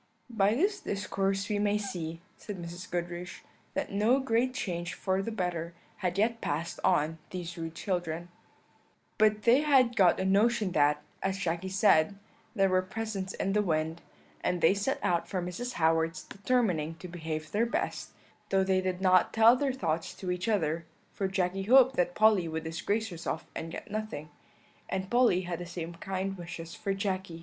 "By this discourse we may see," said Mrs. Goodriche, "that no great change for the better had yet passed on these rude children. "But they had got a notion that, as Jacky said, there were presents in the wind, and they set out for Mrs. Howard's determining to behave their best, though they did not tell their thoughts to each other, for Jacky hoped that Polly would disgrace herself and get nothing, and Polly had the same kind wishes for Jacky.